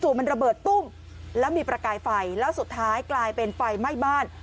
จู่มันระเบิดมีประกายไฟกลายเป็นไฟแม่งบ้าน